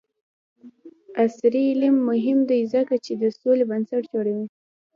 عصري تعلیم مهم دی ځکه چې د سولې بنسټ جوړوي.